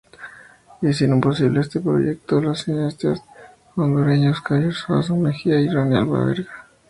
Hicieron posible este proyecto los cineastas hondureños: Javier Suazo Mejía y Rony Alvarenga.